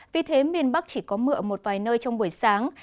vì thế miền bắc chỉ có mưa ở một vài nơi trong buổi sáng